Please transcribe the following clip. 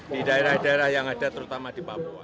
di daerah daerah yang ada terutama di papua